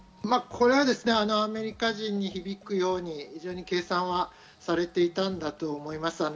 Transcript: これはアメリカ人に響くように非常に計算はされていたんだと思います。